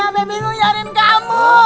sampai bingung nyarin kamu